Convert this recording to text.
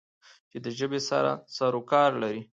چې د ژبې سره سرو کار لری